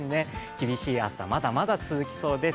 厳しい暑さ、まだまだ続きそうです。